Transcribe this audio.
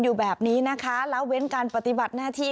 อยู่แบบนี้นะคะแล้วเว้นการปฏิบัติหน้าที่